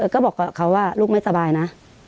ก็บอกกับเขาว่าลูกไม่สบายนะ